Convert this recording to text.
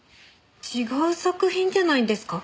違う作品じゃないんですか？